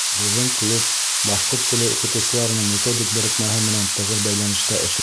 Беҙҙең клуб башҡорт теле уҡытыусыларының методик берекмәһе менән тығыҙ бәйләнештә эшләй.